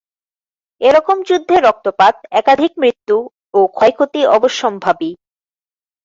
এ রকম যুদ্ধে রক্তপাত, একাধিক মৃত্যু ও ক্ষয়ক্ষতি অবশ্যম্ভাবী।